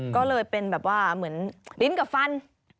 ก็เลยเป็นแบบว่าเหมือนลิ้นกับฟัน